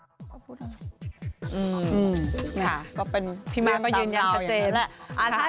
ค่ะก็เป็นเรื่องตามนานชะเจนแล้วค่ะพี่มาร์คก็ยืนยาวอย่างนั้น